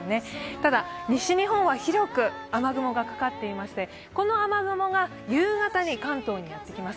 ただ、西日本は広く雨雲がかかっていましてこの雨雲が夕方に関東につきます。